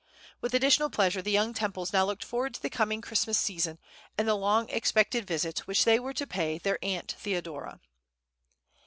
With additional pleasure the young Temples now looked forward to the coming Christmas season, and the long expected visit which they were to pay to their Aunt Theodora.